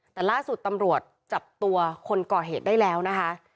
แต่ล่าสุดตำรวจจับตัวคนก่อเหตุได้แล้วนะคะ